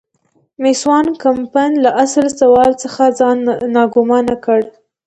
مېس وان کمپن له اصل سوال څخه ځان ناګومانه کړ.